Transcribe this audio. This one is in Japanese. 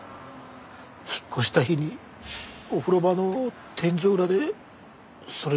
引っ越した日にお風呂場の天井裏でそれを見つけて。